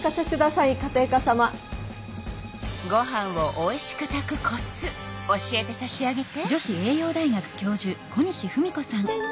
ご飯をおいしく炊くコツ教えてさしあげて。